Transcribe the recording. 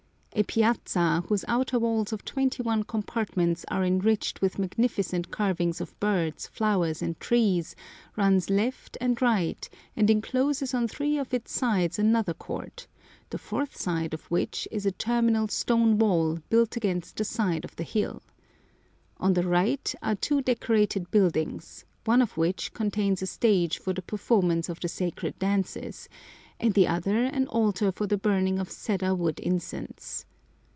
A piazza, whose outer walls of twenty one compartments are enriched with magnificent carvings of birds, flowers, and trees, runs right and left, and encloses on three of its sides another court, the fourth side of which is a terminal stone wall built against the side of the hill. On the right are two decorated buildings, one of which contains a stage for the performance of the sacred dances, and the other an altar for the burning of cedar wood incense.